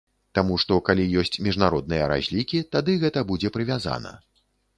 Таму што калі ёсць міжнародныя разлікі, тады гэта будзе прывязана.